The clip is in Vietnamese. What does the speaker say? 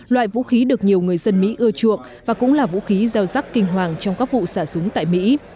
loại vũ khí được nhiều người dân mỹ ưa chuộng và cũng là vũ khí gieo rắc kinh hoàng trong các vụ xả súng tại mỹ